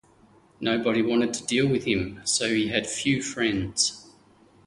Nobody wanted to deal with him, so he had few friends.